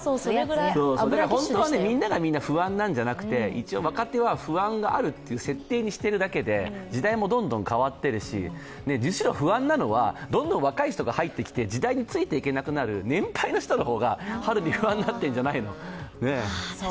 本当はみんながみんな不安なんじゃなくて一応若手は不安があるという設定にしているだけで、時代もどんどん変わっているしむしろ不安なのはどんどん若い人が入ってきて時代についていけなくなる年配の人の方が春に不安になっているんじゃないの。